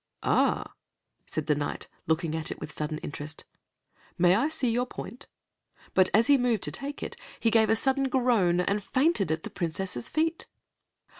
"Ah!" said the Knight, looking at it with sudden interest, "may I see your point?" But as he moved to take it, he gave a sudden groan and fainted at the Princess's feet.